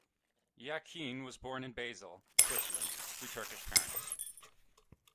Yakin was born in Basel, Switzerland, to Turkish parents.